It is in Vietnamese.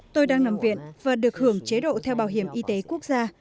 tôi đang nằm viện và được hưởng chế độ theo bảo hiểm y tế quốc gia